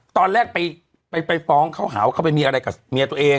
ตอนแรกไปฟ้องเขาหาว่าเขาไปมีอะไรกับเมียตัวเอง